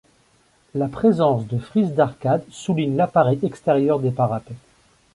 La présence de frise d'arcades souligne l'appareil extérieur des parapets.